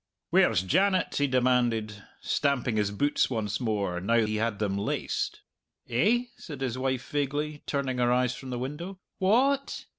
"Where's Janet?" he demanded, stamping his boots once more, now he had them laced. "Eh?" said his wife vaguely, turning her eyes from the window. "Wha at?"